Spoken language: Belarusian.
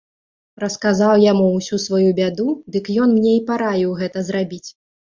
Расказаў яму ўсю сваю бяду, дык ён мне і параіў гэта зрабіць.